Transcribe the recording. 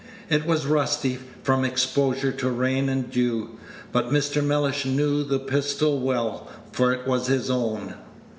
It was rusty, from exposure to rain and dew; but Mr. Mellish knew the pistol well, for it was his own.